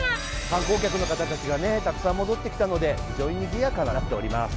観光客の方たちがたくさん戻ってきたので非常ににぎやかになっております。